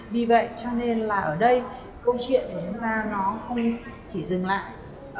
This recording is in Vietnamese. vì vậy ở đây câu chuyện của chúng ta không chỉ dừng lại